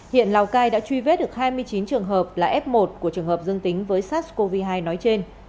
hiện lào cai đã truy vết được hai mươi chín trường hợp là f một của trường hợp dương tính với sars cov hai nói trên